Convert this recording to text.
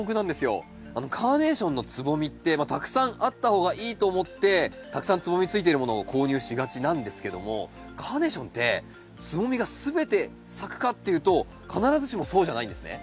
カーネーションのつぼみってたくさんあった方がいいと思ってたくさんつぼみついてるものを購入しがちなんですけどもカーネーションってつぼみが全て咲くかっていうと必ずしもそうじゃないんですね。